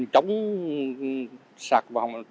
chống sạc vòng